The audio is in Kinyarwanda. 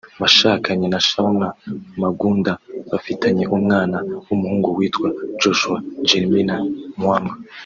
washakanye na Shauna Magunda bafitanye umwana w’umuhungu witwa Joshua Jeremiah Muamba